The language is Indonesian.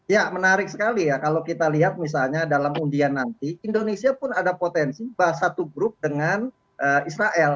ya menarik sekali ya kalau kita lihat misalnya dalam undian nanti indonesia pun ada potensi bahas satu grup dengan israel